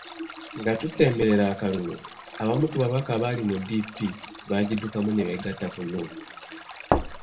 Nga tusemberera akalulu abamu ku babaka abaali mu DP baagiddukamu ne beegatta Nuupu.